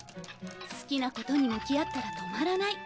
好きなことに向き合ったら止まらない。